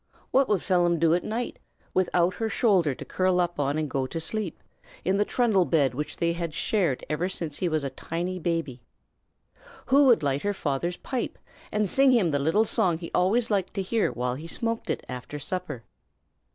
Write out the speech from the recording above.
What would Phelim do at night, without her shoulder to curl up on and go to sleep, in the trundle bed which they had shared ever since he was a tiny baby? Who would light her father's pipe, and sing him the little song he always liked to hear while he smoked it after supper?